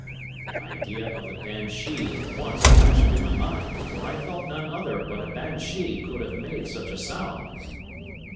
The idea of the banshee at once flashed through my mind, for I felt none other but a banshee could have made such a sound.